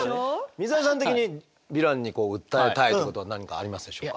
水谷さん的にヴィランに訴えたいことは何かありますでしょうか？